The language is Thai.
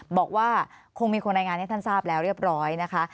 บอกว่าคงมีคนรายงานให้ท่านทราบแล้วเรียบร้อยนะคะ